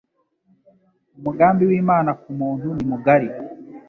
umugambi w’imana kumuntu ni mugari